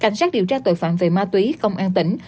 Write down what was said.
cảnh sát điều tra tội phạm về ma túy công an tỉnh